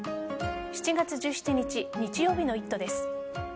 ７月１７日日曜日の「イット！」です。